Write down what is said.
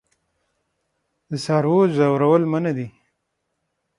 د څارویو ځورول منع دي.